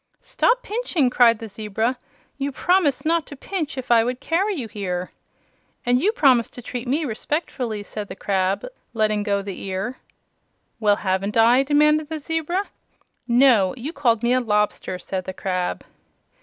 "Stop pinching!" cried the zebra. "You promised not to pinch if I would carry you here!" "And you promised to treat me respectfully," said the crab, letting go the ear. "Well, haven't I?" demanded the zebra. "No; you called me a lobster," said the crab.